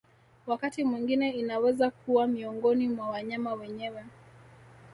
Wakati mwingine inaweza kuwa miongoni mwa wanyama wenyewe